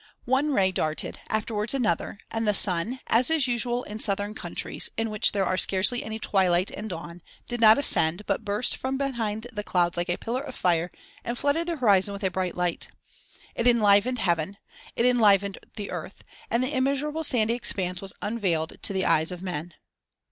One ray darted, afterwards another, and the sun as is usual in southern countries, in which there are scarcely any twilight and dawn did not ascend, but burst from behind the clouds like a pillar of fire and flooded the horizon with a bright light. It enlivened heaven, it enlivened the earth, and the immeasurable sandy expanse was unveiled to the eyes of men.